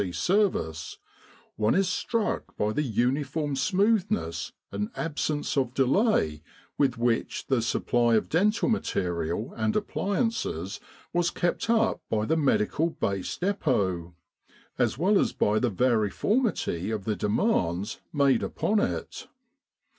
C. Service, one is struck by the uniform smoothness and absence of delay with which the supply of dental material and appliances was kept up by the Medical Base Depot, as well as by the variformity of the demands made upon it.